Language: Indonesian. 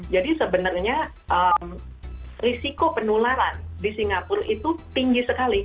jadi sebenarnya risiko penularan di singapura itu sangat tinggi